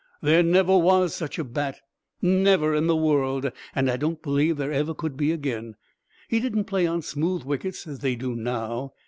"There never was such a bat never in the world and I don't believe there ever could be again. He didn't play on smooth wickets, as they do now.